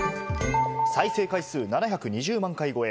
再生回数７２０万回超え！